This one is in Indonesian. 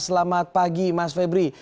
selamat pagi mas febri